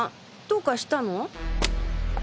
どうかしたの！？